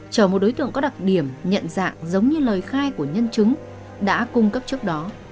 chở một đối tượng có đặc điểm nhận dạng giống như lời khai của nhân chứng đã cung cấp trước đó